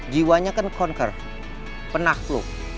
jiwanya kan penangku